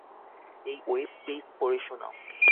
এই web page পড়ে শোনাও।